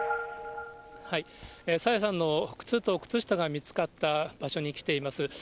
朝芽さんの靴と靴下が見つかった場所に来ています。